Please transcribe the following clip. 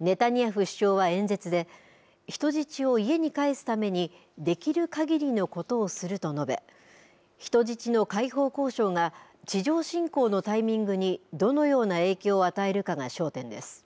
ネタニヤフ首相は演説で人質を家に返すためにできるかぎりのことをすると述べ人質の解放交渉が地上侵攻のタイミングにどのような影響を与えるかが焦点です。